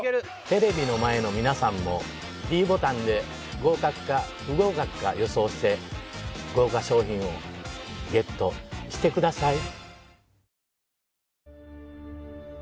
テレビの前の皆さんもｄボタンで合格か不合格か予想して豪華賞品をＧＥＴしてください